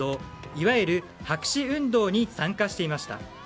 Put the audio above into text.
いわゆる白紙運動に参加していました。